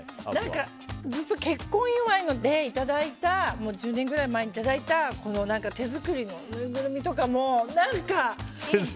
ずっと結婚祝いで１０年前くらいにいただいた手作りのぬいぐるみとかも何か。